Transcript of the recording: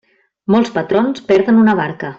Molts patrons perden una barca.